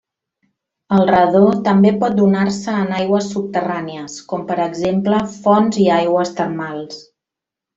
El radó també pot donar-se en aigües subterrànies, com per exemple fonts i aigües termals.